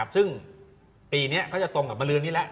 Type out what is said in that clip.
ซึ่งปีนี้ก็จะตรงกับบริรุณนี้แหละ